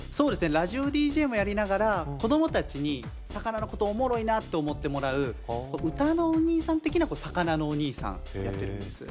ラジオＤＪもやりながら子どもたちにさかなのことおもろいなと思ってもらう歌のおにいさん的なさかなのおにいさんやってます